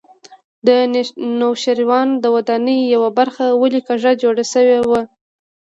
د نوشیروان د ودانۍ یوه برخه ولې کږه جوړه شوې وه.